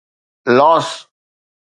Los